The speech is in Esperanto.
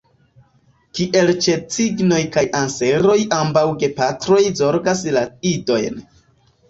Kiel ĉe cignoj kaj anseroj ambaŭ gepatroj zorgas la idojn.